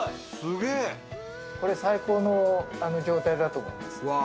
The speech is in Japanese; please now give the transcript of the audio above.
これ最高の状態だと思います。